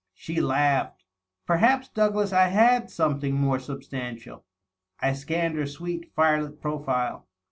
She laughed. "Perhaps, Douglas, I had something more sub stantial." I scanned her sweet, firelit profile.